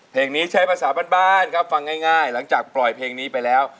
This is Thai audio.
เพลงนี้ใช้ภาษาบ้านครับฟังง่ายหลังจากปล่อยเพลงนี้ไปแล้ว